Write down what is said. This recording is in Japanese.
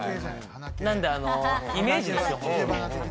なんで、イメージですよ。